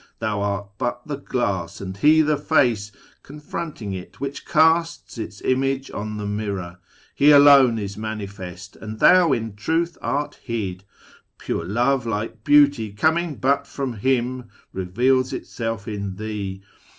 Thou art but the glass, And He the Face ^ confronting it, which casts Its image on the mirror. He alone Is manifest, and thou in truth art hid. Pure Love, like Beauty, coming but from Him, Reveals itself in thee.